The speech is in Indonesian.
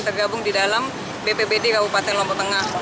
tergabung di dalam bpbd kabupaten lombok tengah